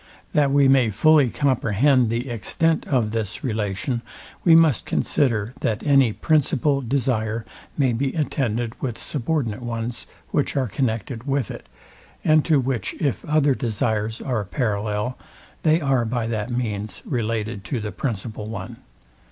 That we may fully comprehend the extent of this relation, we must consider, that any principal desire may be attended with subordinate ones, which are connected with it, and to which if other desires are parallel, they are by that means related to the principal one.